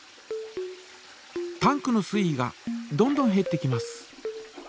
タンクの水位がどんどんへってきます。